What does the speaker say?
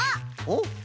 おっ！